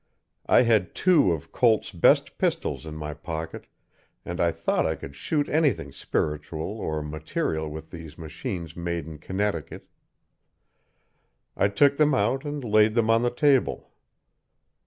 I had two of Colt's best pistols in my pocket, and I thought I could shoot anything spiritual or material with these machines made in Connecticut. I took them out and laid them on the table.